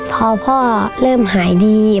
พอพ่อเริ่มหายดี